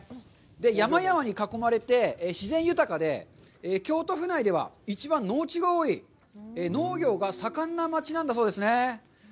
山々に囲まれて、自然豊かで、京都府内では一番農地が多い、農業が盛んな町なんだそうですね。